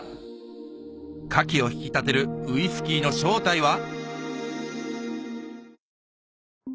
カキを引き立てるウイスキーの正体は？